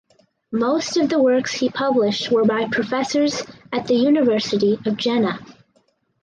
Most of the works he published were by Professors at the University of Jena.